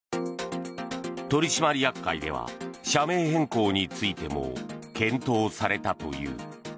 取締役会では社名変更についても検討されたという。